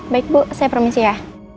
baik bu saya permisi ya